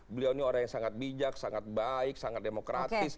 beliau ini orang yang sangat bijak sangat baik sangat demokratis